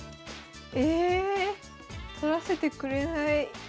え取らせてくれない。